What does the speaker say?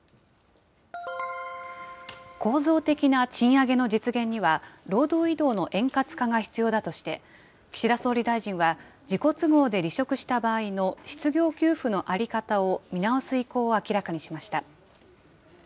構造的な賃上げの実現には、労働移動の円滑化が必要だとして、岸田総理大臣は自己都合で離職した場合の、失業給付の在り方を見直す意向を明らかにしました。